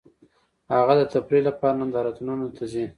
هغه د تفریح لپاره نندارتونونو ته ځي